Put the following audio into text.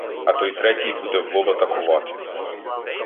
А той третій буде в лоб атакувати.